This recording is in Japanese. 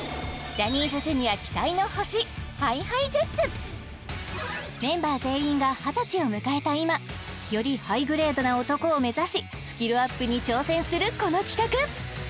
ジャニーズＪｒ．期待の星メンバー全員が二十歳を迎えた今よりハイグレードな男を目指しスキルアップに挑戦するこの企画